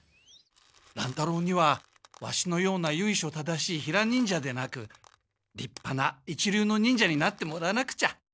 乱太郎にはワシのようなゆいしょ正しいヒラ忍者でなくりっぱな一流の忍者になってもらわなくちゃ。